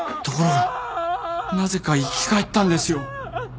ところがなぜか生き返ったんですよ。